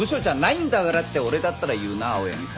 って俺だったら言うな青柳さんに。